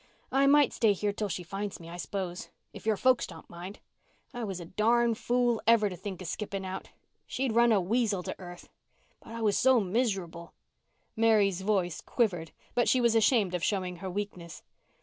I might stay here till she finds me, I s'pose, if your folks don't mind. I was a darn fool ever to think of skipping out. She'd run a weasel to earth. But I was so misrebul." Mary's voice quivered, but she was ashamed of showing her weakness.